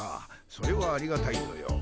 それはありがたいぞよ。